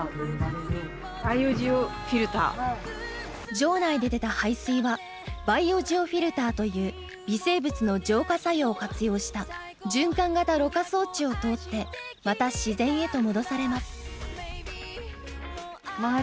場内で出た排水はバイオジオフィルターという微生物の浄化作用を活用した循環型濾過装置を通ってまた自然へと戻されます。